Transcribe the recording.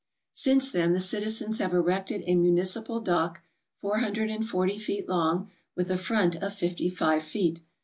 Since then the citizens have erected a municipal dock four hundred and forty feet long, with a front of fifty five feet.